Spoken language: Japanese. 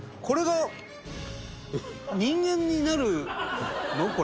これが人間になるの？